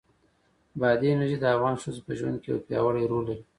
بادي انرژي د افغان ښځو په ژوند کې یو پیاوړی رول لري.